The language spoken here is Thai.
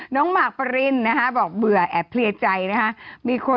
น้องหมากปะรินบอกเบื่อแอบเผลียใจ